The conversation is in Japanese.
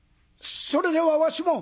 「それではわしも！？」。